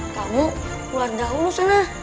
kamu keluar dahulu sana